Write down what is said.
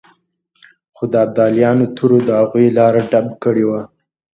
خو د ابدالیانو تورو د هغوی لاره ډب کړې وه.